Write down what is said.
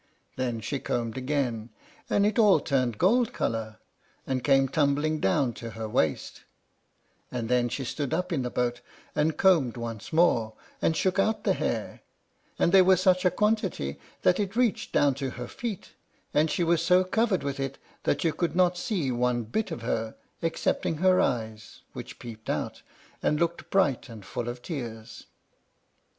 Then she combed again, and it all turned gold color, and came tumbling down to her waist; and then she stood up in the boat, and combed once more, and shook out the hair, and there was such a quantity that it reached down to her feet, and she was so covered with it that you could not see one bit of her, excepting her eyes, which peeped out, and looked bright and full of tears.